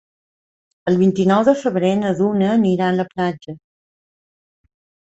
El vint-i-nou de febrer na Duna anirà a la platja.